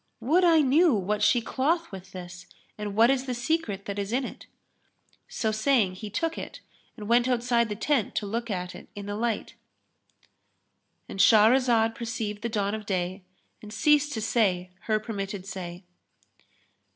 Would I knew what she cloth with this and what is the secret that is in it." So saying, he took it and went outside the tent to look at it in the light,—And Shahrazad perceived the dawn of day, and ceased to say her permitted say.